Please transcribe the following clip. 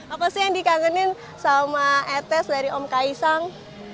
apa sih yang dikangenin sama etes dari om kaisang